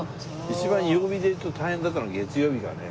一番曜日でいうと大変だったのは月曜日がね。